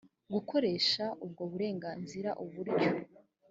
gukoresha ubwo burenganzira uburyo